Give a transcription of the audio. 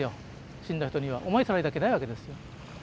死んだ人には思いすら抱けないわけですよ。